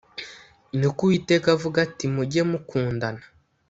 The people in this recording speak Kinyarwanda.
ni ko uwiteka avuga ati mujye mukundana